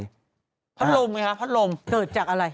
พัดลมไงคะพัดลมเกิดจากอะไร